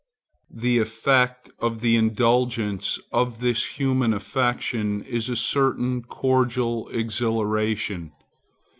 The effect of the indulgence of this human affection is a certain cordial exhilaration.